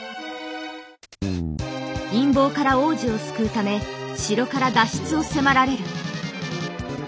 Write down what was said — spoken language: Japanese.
陰謀から皇子を救うため城から脱出を迫られる。